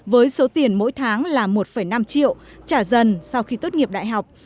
với số tiền mỗi tháng là một năm triệu trả dần sau khi tốt nghiệp đại học